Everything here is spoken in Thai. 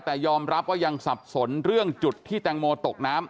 แต่ยอมรับว่ายังสับสนเรื่องจุดที่แตงโมตกน้ำ